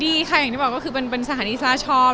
ดีค่ะอย่างที่จะบอกว่าเป็นสถานที่ทราบชอบ